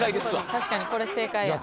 確かにこれ正解や。